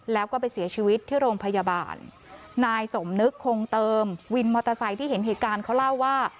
แล้วก็ไปเสียชีวิตที่โรงพยาบาลนายสมนึกคงเติมวินมอเตอร์ไซค์ที่เห็นเหตุการณ์เขาเล่าว่า